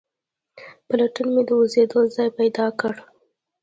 په لټون مې د اوسېدو ځای پیدا کړ.